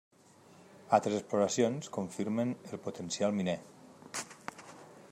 Altres exploracions confirmen el potencial miner.